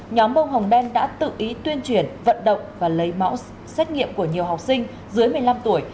nhóm bông hồng đen đã tự ý tuyên truyền vận động và lấy mẫu xét nghiệm của nhiều học sinh dưới một mươi năm tuổi